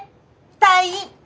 退院！